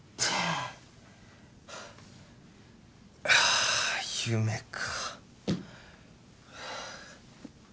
ああ夢か。